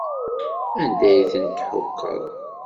Anda ay tent-tḥukkeḍ?